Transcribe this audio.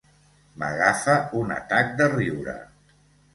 M'agafa un atac de riure.